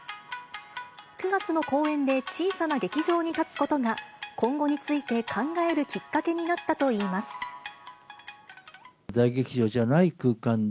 ９月の公演で小さな劇場に立つことが、今後について考えるきっか大劇場じゃない空間で、